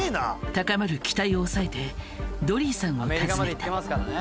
高まる期待を抑えてドリーさんを訪ねた。